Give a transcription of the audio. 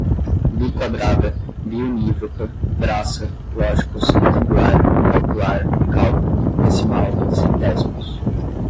biquadrada, biunívoca, braça, lógicos, retangular, calcular, cálculo, decimal, centésimos